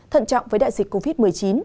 thận trọng với đại dịch covid một mươi chín